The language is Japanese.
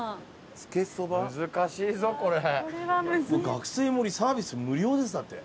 「学生盛サービス無料です」だって。